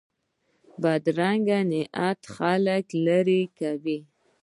بدرنګه نیت خلک له تا لرې کوي